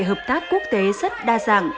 hợp tác quốc tế rất đa dạng